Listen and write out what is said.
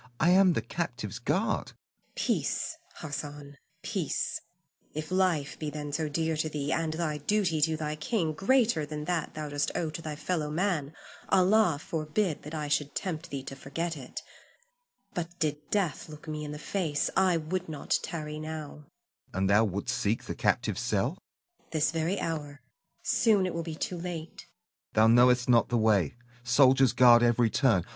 I am the captive's guard. Zuleika. Peace, Hassan, peace; if life be then so dear to thee, and thy duty to thy king greater than that thou dost owe to thy fellow man, Allah forbid that I should tempt thee to forget it. But did death look me in the face, I would not tarry now. Hassan. And thou wouldst seek the captive's cell? Zuleika. This very hour. Soon it will be too late. Hassan. Thou knowest not the way, soldiers guard every turn.